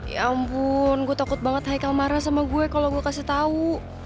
ya ampun gue takut banget hai kalmara sama gue kalau gue kasih tahu